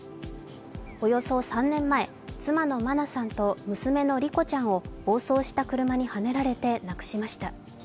およそ３年前、妻の真菜さんと娘の莉子ちゃんを暴走した車にはねられて亡くしました。